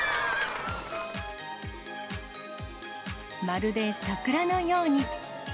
まるで桜のように。